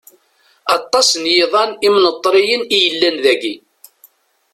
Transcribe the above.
Aṭas n yiḍan imneṭriyen i yellan dagi.